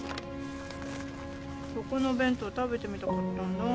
そこの弁当食べてみたかったんだ。